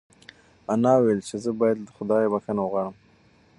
انا وویل چې زه باید له خدایه بښنه وغواړم.